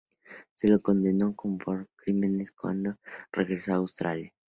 Se lo condenó por estos crímenes cuando regresó a Austria.